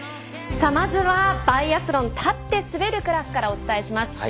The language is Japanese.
まずはバイアスロン立って滑るクラスからお伝えしていきます。